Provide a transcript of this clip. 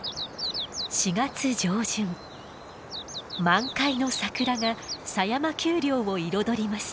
満開の桜が狭山丘陵を彩ります。